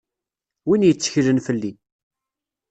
Win yetteklen fell-i.